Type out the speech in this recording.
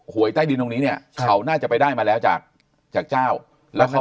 หวยใต้ดินตรงนี้เนี่ยเขาน่าจะไปได้มาแล้วจากจากเจ้าแล้วเขา